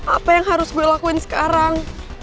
apa yang harus gue lakuin sekarang